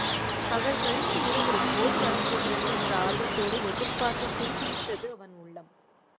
பகல் கழிந்து இரவு எப்போது வரப் போகிறது என்று ஆர்வத்தோடு எதிர்பார்த்துத் துடி துடித்தது அவன் உள்ளம்.